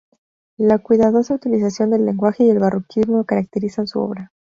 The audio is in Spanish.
La cuidadosa utilización del lenguaje y el barroquismo caracterizan su obra.